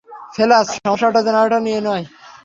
ফেলাস, সমস্যাটা জেনারেটর নিয়ে নয়!